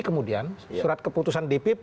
kemudian surat keputusan dpp